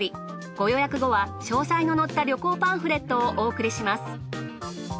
ご予約後は詳細の載った旅行パンフレットをお送りします。